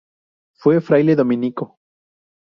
Fue fraile dominico.